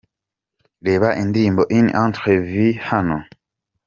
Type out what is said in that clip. Reba indirimbo une ’Autre Vie’ hano :.